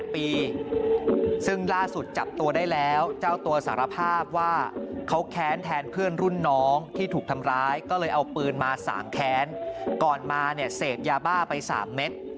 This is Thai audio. ปืนมา๓แค้นก่อนมาเนี่ยเสกยาบ้าไป๓เม็ด